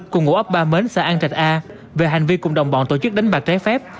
cùng ngụ ấp ba mến xã an trạch a về hành vi cùng đồng bọn tổ chức đánh bạc trái phép